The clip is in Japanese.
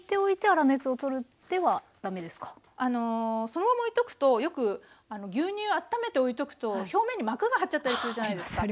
そのままおいとくとよく牛乳温めておいとくと表面に膜が張っちゃったりするじゃないですか。